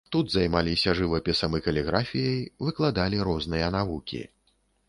Тут займаліся жывапісам і каліграфіяй, выкладалі розныя навукі.